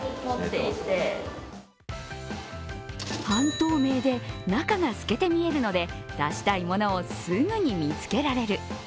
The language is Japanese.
半透明で中が透けて見えるので出したいものをすぐに見つけられる。